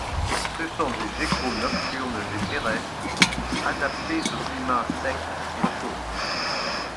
Ce sont des geckos nocturnes et terrestres adaptés aux climats secs et chauds.